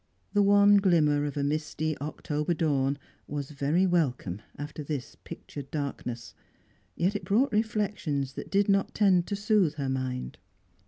The wan glimmer of a misty October dawn was very welcome after this pictured darkness. Yet it brought reflections that did not tend to soothe her mind.